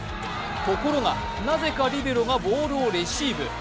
ところがなぜかリベロがボールをレシーブ。